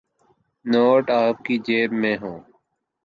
Note آپ کی جیب میں ہوں۔